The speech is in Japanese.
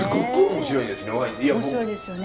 面白いですよね。